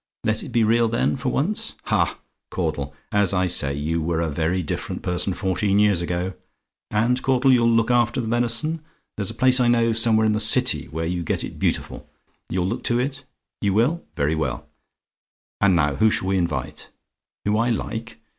"LET IT BE REAL, THEN, FOR ONCE? "Ha, Caudle! As I say, you were a very different person fourteen years ago. And, Caudle, you'll look after the venison? There's a place I know, somewhere in the City, where you get it beautiful! You'll look to it? "YOU WILL? "Very well. "And now who shall we invite? "WHO I LIKE?